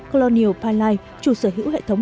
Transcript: colonial pileye chủ sở hữu hệ thống